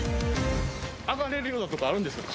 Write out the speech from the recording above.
上がれるような所あるんですか？